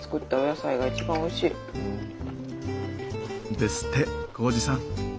ですって紘二さん。